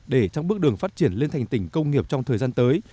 để trong bước đường phát triển lên thành tỉnh công nghiệp trong thời gian tới